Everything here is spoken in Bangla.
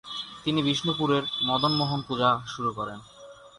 তিনি বিষ্ণুপুরের মদন মোহন পূজা শুরু করেন।